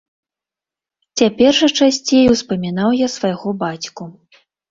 Цяпер жа часцей успамінаў я свайго бацьку.